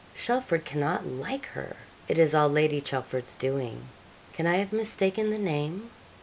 'Chelford cannot like her. It is all Lady Chelford's doing. Can I have mistaken the name?'